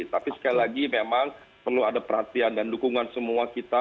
tapi sekali lagi memang perlu ada perhatian dan dukungan semua kita